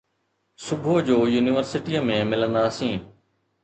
صبح جو يونيورسٽيءَ ۾ ملنداسين